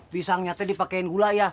pisangnya teh dipakein gula ya